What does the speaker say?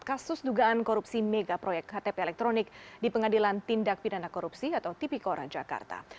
kasus dugaan korupsi mega proyek ktp elektronik di pengadilan tindak pidana korupsi atau tipikoran jakarta